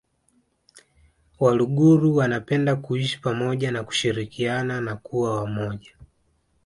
Waluguru wanapenda kuishi pamoja na kushirikiana na kuwa wamoja